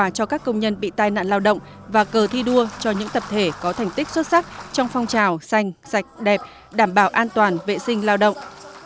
tặng quà cho các công nhân bị tai nạn lao động và cờ thi đua cho những tập thể có thành tích xuất sắc trong phong trào xanh sạch đẹp đảm bảo an toàn vệ sinh lao động